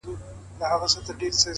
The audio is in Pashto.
خپل فکرونه د موخې خدمت ته ودرول؛